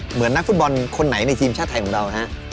เหมือนนักฟุตบอลคนไหนในทีมชาติไทยของเราฮะ